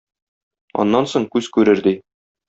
Аннан соң күз күрер, - ди.